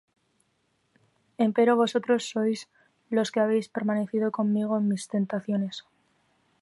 Empero vosotros sois los que habéis permanecido conmigo en mis tentaciones: